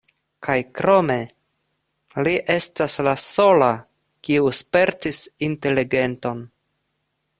Kaj krome, li estas la sola kiu spertis inteligenton.